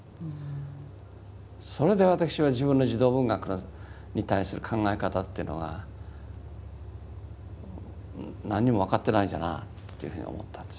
それで私は自分の児童文学に対する考え方というのが何にも分かってないんじゃなというふうに思ったんです。